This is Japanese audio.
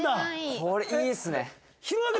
これいいですね。